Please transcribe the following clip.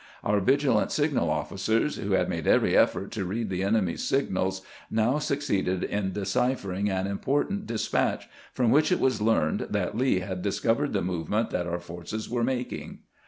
Our vigilant signal of&cers, who had made every effort to read the enemy's signals, now suc ceeded in deciphering an important despatch, from which it was learned that Lee had discovered the movement that our forces were making.